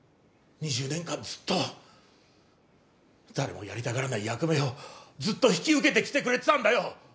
２０年間ずっと誰もやりたがらない役目をずっと引き受けてきてくれてたんだよ。